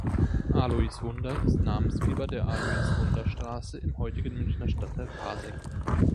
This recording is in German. Alois Wunder ist Namensgeber der Alois-Wunder-Straße im heutigen Münchner Stadtteil Pasing.